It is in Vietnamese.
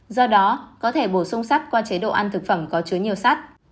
do đó có thể bổ sung sắt qua chế độ ăn thực phẩm có chứa nhiều sắt